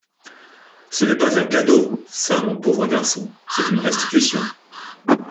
Ce n’est pas un cadeau, ça mon pauvre garçon, c’est une restitution...